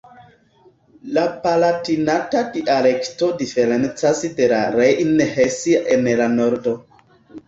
La Palatinata dialekto diferencas de la Rejn-Hesia en la Nordo.